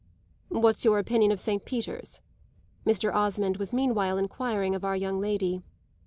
"What's your opinion of Saint Peter's?" Mr. Osmond was meanwhile enquiring of our young lady.